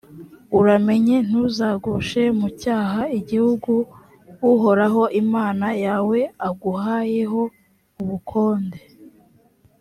uramenye ntuzagushe mu cyaha igihugu uhoraho imana yawe aguhayeho ubukonde.